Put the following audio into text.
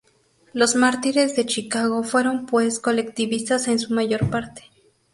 Los mártires de Chicago fueron pues colectivistas en su mayor parte.